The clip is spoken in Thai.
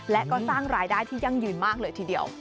และก็สร้างรายได้ที่ยั่งยืนมากเลยทีเดียว